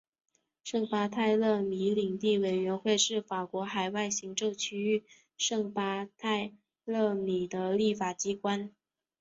圣巴泰勒米领地委员会是法国海外行政区域圣巴泰勒米的立法机关。